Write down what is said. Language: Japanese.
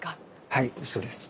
はいそうです。